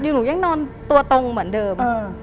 หนูยังนอนตัวตรงเหมือนเดิม